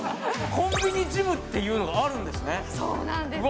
コンビニジムっていうのがあるんですねうわ